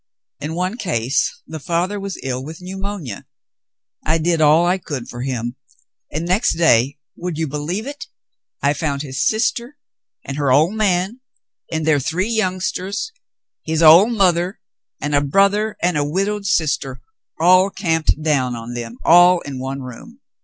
In one case, the father was ill with pneumonia. I did all I could for him, and next day — would you believe it .^^— I found his sister and her ' old man' and their three youngsters, his old mother and a brother and a widowed sister, all camped down on them, all in one room.